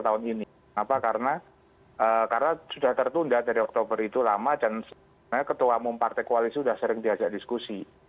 karena sudah tertunda dari oktober itu lama dan sebenarnya ketua umum partai koalisi sudah sering diajak diskusi